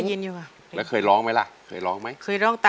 มูลค่า๔๐๐๐๐บาท